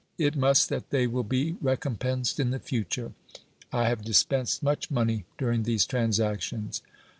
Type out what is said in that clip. It must that they will be recompensed in the future. I have dispensed much money during these transactions.